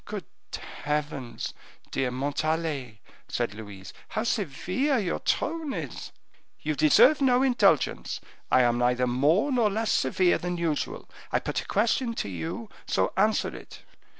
"Good heavens! dear Montalais," said Louise, "how severe your tone is!" "You deserve no indulgence, I am neither more nor less severe than usual. I put a question to you, so answer it."